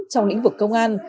trong lĩnh vực công an